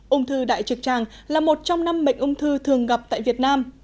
ung thư đại trực tràng là một trong năm bệnh ung thư thường gặp tại việt nam